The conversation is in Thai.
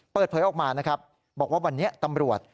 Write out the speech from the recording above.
เปิดเผยออกมานะครับบอกว่าวันนี้ตำรวจ